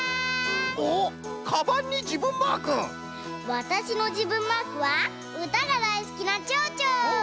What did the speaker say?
わたしのじぶんマークはうたがだいすきなちょうちょ！